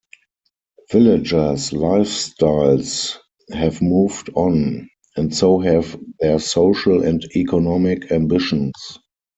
Villagers' lifestyles have moved on and so have their social and economic ambitions.